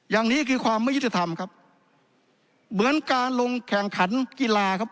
อย่างนี้คือความไม่ยุติธรรมครับเหมือนการลงแข่งขันกีฬาครับ